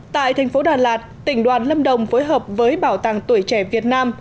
tại thành phố đà lạt tỉnh đoàn lâm đồng phối hợp với bảo tàng tuổi trẻ việt nam